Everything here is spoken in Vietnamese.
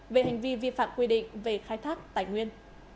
về hành vi vi phạm quy định về khai thác tài nguyên